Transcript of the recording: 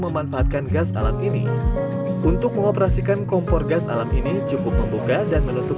memanfaatkan gas alam ini untuk mengoperasikan kompor gas alam ini cukup membuka dan menutup